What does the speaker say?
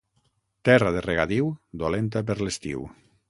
Terra de regadiu, dolenta per l'estiu.